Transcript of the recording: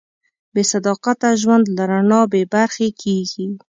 بېصداقته ژوند له رڼا بېبرخې کېږي.